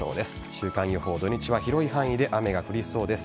週間予報、土日は広い範囲で雨が降りそうです。